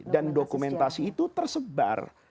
dan dokumentasi itu tersebar